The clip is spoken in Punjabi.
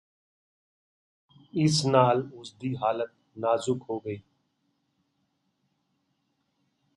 ਇਸ ਨਾਲ ਉਸ ਦੀ ਹਾਲਤ ਨਾਜ਼ੁਕ ਹੋ ਗਈ